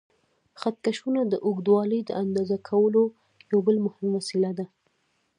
خط کشونه د اوږدوالي د اندازه کولو یو بل مهم وسیله ده.